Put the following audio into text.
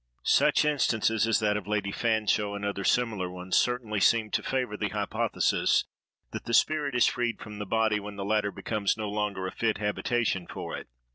SUCH instances as that of Lady Fanshawe, and other similar ones, certainly seem to favor the hypothesis that the spirit is freed from the body when the latter becomes no longer a fit habitation for it.